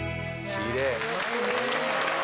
きれい。